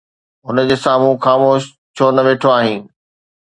هن جي سامهون خاموش ڇو نه ويٺو آهين؟